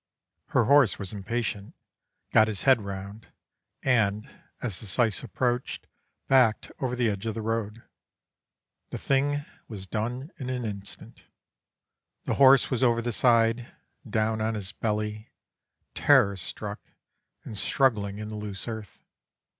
Her horse was impatient, got his head round, and, as the syce approached, backed over the edge of the road. The thing was done in an instant, the horse was over the side, down on his belly, terror struck and struggling in the loose earth.